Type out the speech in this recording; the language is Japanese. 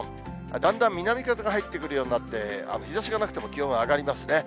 だんだん南風が入ってくるようになって、日ざしがなくても気温は上がりますね。